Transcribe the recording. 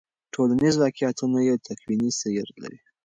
ټولنیز واقعیتونه یو تکویني سیر لري.